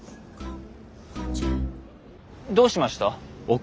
どうしました？